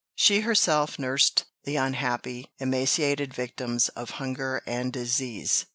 "She herself nursed the unhappy, emaciated victims of hunger and disease.